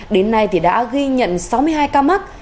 đến nay thì đã ghi nhận sáu mươi hai ca mắc